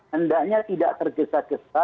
hendaknya tidak tergesa gesa